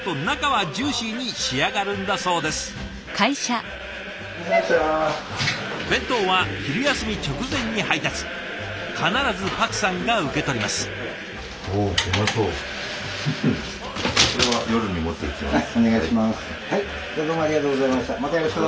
はいお願いします。